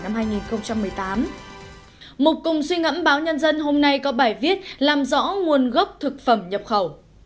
một cùng suy ngẫm báo nhân dân hôm nay có bài viết làm rõ nguồn gốc thực phẩm nhập khẩu